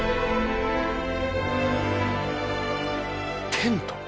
テント？